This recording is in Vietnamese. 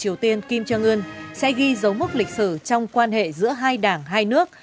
triều tiên kim trương ươn sẽ ghi dấu mức lịch sử trong quan hệ giữa hai đảng hai nước